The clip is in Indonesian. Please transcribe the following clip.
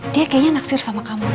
dia kayaknya naksir sama kamu